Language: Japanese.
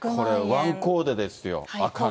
これ、ワンコーデですよ、赤の。